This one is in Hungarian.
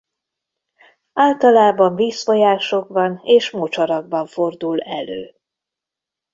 Általában vízfolyásokban és mocsarakban fordul elő.